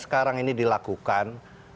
sekarang ini dilakukan